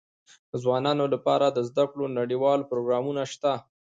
د ځوانانو لپاره د زده کړو نړيوال پروګرامونه سته.